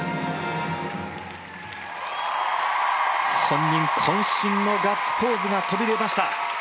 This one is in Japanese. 本人渾身のガッツポーズが飛び出ました。